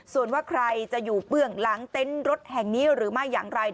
ส่วนว่าใครจะอยู่เบื้องหลังเต็นต์รถแห่งนี้หรือไม่อย่างไร